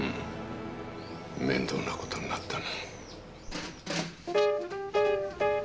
面倒なことになったな。